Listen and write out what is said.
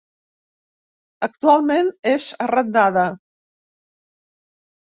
Actualment és arrendada.